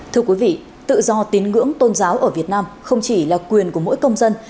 thưa quý vị tự do tín ngưỡng tôn giáo ở việt nam không chỉ là quyền của mỗi công dân